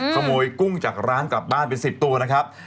กุ้งจากร้านกลับบ้านเป็น๑๐ตัวนะครับ